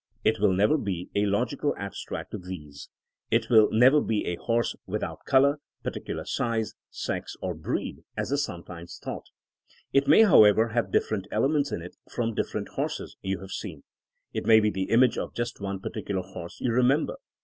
It will never be a logical abstract of these. It will never be a horse without color, particular size, sex or 198 THINKINO AS A SCIENCE breed, as is sometimes thought. It may how ever have different elements in it from different horses yon have seen. It may be the image of just one particular horse you remember.